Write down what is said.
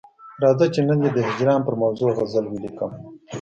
راځه چې نن دي د هجران پر موضوع غزل ولیکم.